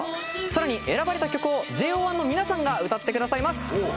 さらに選ばれた曲をＪＯ１の皆さんが歌ってくださいます。